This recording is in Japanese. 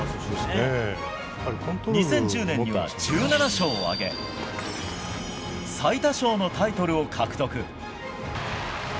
２０１０年には１７勝を挙げ最多勝のタイトルを獲得。